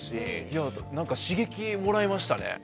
なんか刺激もらいましたね。